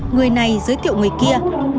người này giới thiệu người kia